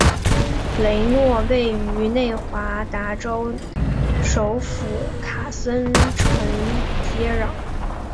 雷诺位于内华达州首府卡森城接壤。